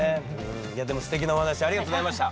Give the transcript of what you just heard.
いやでもステキなお話ありがとうございました！